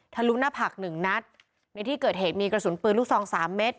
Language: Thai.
ลุหน้าผักหนึ่งนัดในที่เกิดเหตุมีกระสุนปืนลูกซองสามเม็ด